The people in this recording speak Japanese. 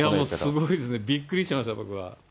もうすごいですね、びっくりしました、僕は。